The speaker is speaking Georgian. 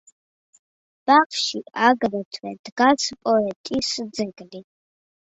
ბაღში აგრეთვე დგას პოეტის ძეგლი.